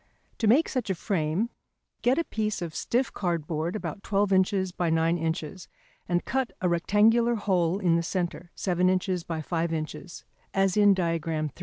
To make such a frame, get a piece of stiff cardboard, about 12 inches by 9 inches, and cut a rectangular hole in the centre, 7 inches by 5 inches, as in Diagram III.